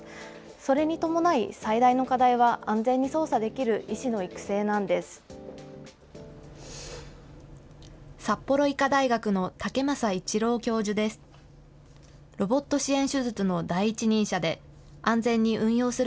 それに伴い、最大の課題は安全に操作できる医師の育成なんです。